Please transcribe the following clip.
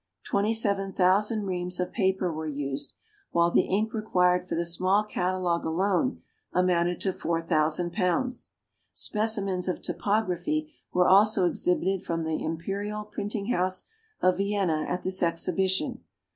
Twenty seven thousand reams of paper were used, while the ink required for the small catalogue alone amounted to 4,000 pounds. Specimens of typography were also exhibited from the imperial printing house of Vienna at this Exhibition.